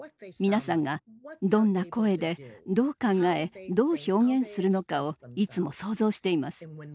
皆さんがどんな声でどう考えどう表現するのかをいつも想像しています。